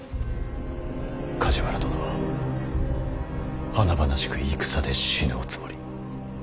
梶原殿は華々しく戦で死ぬおつもり。